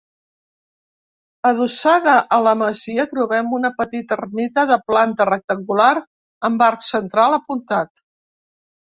Adossada a la masia trobem una petita ermita de planta rectangular amb arc central apuntat.